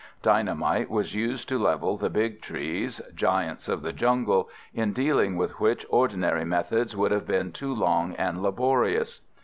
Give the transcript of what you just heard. Dynamite was used to level the big trees, giants of the jungle, in dealing with which ordinary methods would have been too long and laborious.